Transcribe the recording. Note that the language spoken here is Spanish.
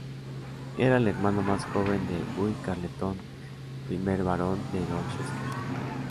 Era el hermano más joven de Guy Carleton, primer barón de Dorchester.